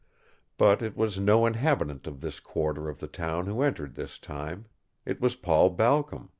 But it was no inhabitant of this quarter of the town who entered this time. It was Paul Balcom.